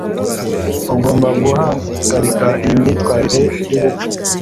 ugomba guhagarika iyi myitwarire yubupfu